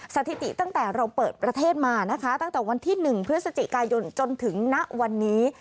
สถิติตั้งแต่เราเปิดประเทศมานะคะตั้งแต่วันที่๑พฤศจิกายนจนถึงณวันนี้